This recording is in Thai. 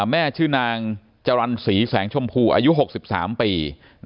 ชื่อนางจรรย์ศรีแสงชมพูอายุ๖๓ปี